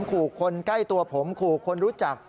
ขู่คนใกล้ตัวผมขู่คนรู้จัก